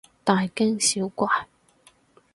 大驚小怪